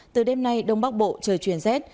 từ đêm nay đông bắc bộ trời chuyển rét